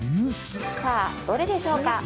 さあ、どれでしょうか？